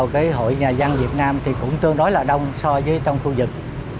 cái đội ngũ nhà dân việt nam thì cũng tương đối là đông so với trong khu vực